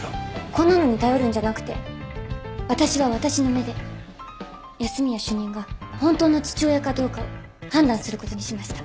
こんなのに頼るんじゃなくて私は私の目で安洛主任が本当の父親かどうかを判断する事にしました。